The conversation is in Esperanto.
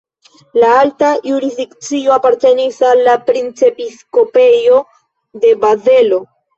La alta jurisdikcio apartenis al la Princepiskopejo de Bazelo.